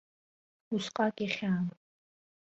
Усҟак ихьаам.